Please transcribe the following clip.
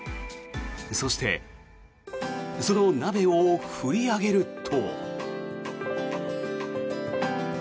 そしてその鍋を振り上げると。